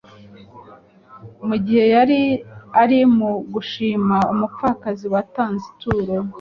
mu gihe yari ari mu gushima umupfakazi watanze ituro